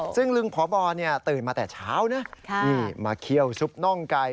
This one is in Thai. ซึ่งลุงพบตื่นมาแต่เช้านะมาเคี่ยวซุปน่องไก่